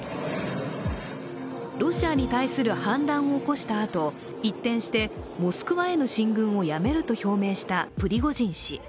ロシアに対する反乱を起こしたあと、一転してモスクワへの進軍をやめると表明したプリゴジン氏。